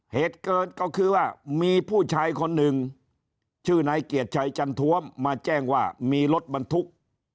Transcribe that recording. เหตุเกิดก็คือว่ามีผู้ชายคนหนึ่งชื่อนายเกียรติชัยจันทวมมาแจ้งว่ามีรถบรรทุก